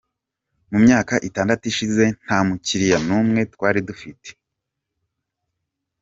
Mu myaka itandatu ishize nta mukiliya n’umwe twari dufite.